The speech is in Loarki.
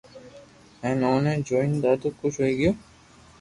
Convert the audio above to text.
ھين اوني جوئين ڌاڌو خوݾ ھوئي گيو